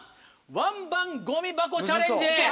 「ワンバンゴミ箱チャレンジ」！